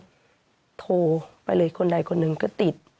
ก็โทรไปเลยคนใดคนหนึ่งก็ติด